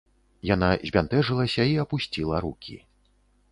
Яна збянтэжылася і апусціла рукі.